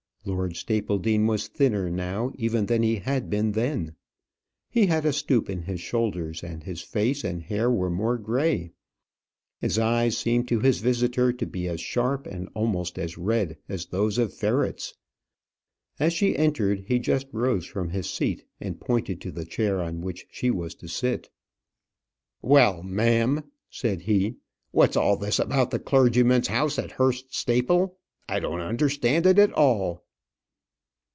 Lord Stapledean was thinner now, even than he had been then; he had a stoop in his shoulders, and his face and hair were more gray. His eyes seemed to his visitor to be as sharp and almost as red as those of ferrets. As she entered, he just rose from his seat and pointed to the chair on which she was to sit. "Well, ma'am," said he; "what's all this about the clergyman's house at Hurst Staple? I don't understand it at all."